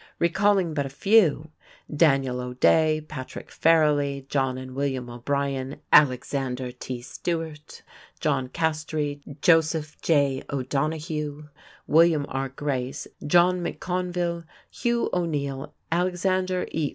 Recalling but a few, Daniel O'Day, Patrick Farrelly, John and William O'Brien, Alexander T. Stewart, John Castree, Joseph J. O'Donohue, William R. Grace, John McConville, Hugh O'Neill, Alexander E.